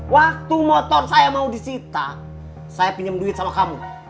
waktu motor saya mau disita saya pinjam duit sama kamu